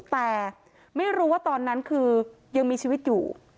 แต่ไม่รู้ว่าตอนนั้นคือยังมีชีวิตอยู่